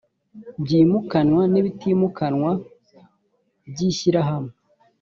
byimukanwa n’ibitimukanwa by’ishyirahamwe